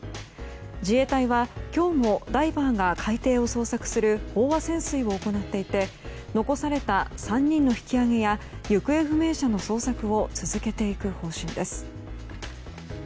自衛隊は今日もダイバーが海底を捜索する飽和潜水を行っていて残された３人の引き揚げや行方不明者の捜索を続けていく方針です。